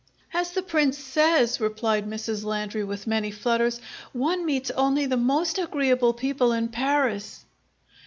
"As the Prince says," replied Mrs. Landry, with many flutters, "one meets only the most agreeable people in Paris!"